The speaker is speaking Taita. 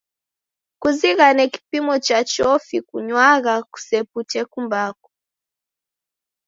Kuzighane kipimo cha chofi kunywagha, kusepute kumbaku.